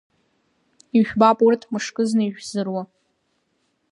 Ижәбап урҭ мышкызны ишәзыруа.